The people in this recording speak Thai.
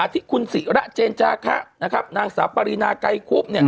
ที่คุณศิระเจนจาคะนางสาวปรินาไกรคุบ